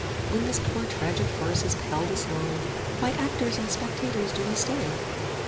When this poor tragic farce has palled us long, Why actors and spectators do we stay?